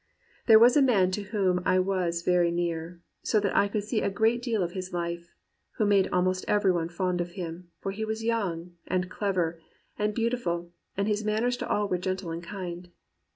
*'* There was a man to whom I was very near, so that I could see a great deal of his life, who made almost every one fond of him, for he was young, and clever, and beautiful, and his manners to all were gentle and kind.